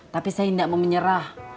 tapi saya tidak mau menyerah